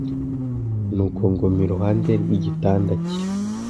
nuko nguma iruhande rw'igitanda cye.